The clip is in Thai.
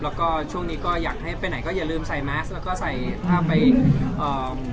แล้วก็ช่วงนี้ก็อยากให้ไปไหนก็อย่าลืมใส่แมสแล้วก็ใส่ถ้าไปเอ่อ